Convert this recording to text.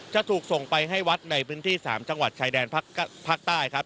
จะถูกส่งไปให้วัดในพื้นที่๓จังหวัดชายแดนภาคใต้ครับ